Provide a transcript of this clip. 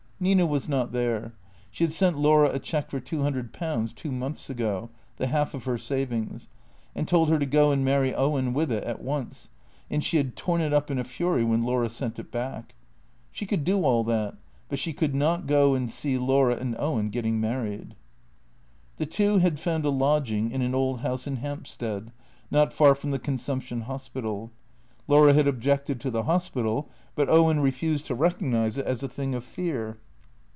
Nina was not there. She had sent Laura a cheque for two hundred pounds two months ago — the half of her savings — and told her to go and marry Owen with it at once, and she had torn it up in a fury when Laura sent it back. She could do all that; but she could not go and see Laura and Owen getting married. The two had found a lodging in an old house in Hampstead, not far from the Consumption Hospital. Laura had objected to the hospital, but Owen refused to recognize it as a thing of fear.